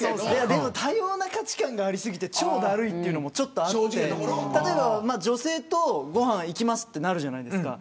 でも多様な価値観がありすぎて超だるいというのもあって例えば、女性とご飯行きますとなるじゃないですか。